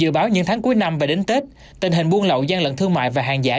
dự báo những tháng cuối năm và đến tết tình hình buôn lậu gian lận thương mại và hàng giả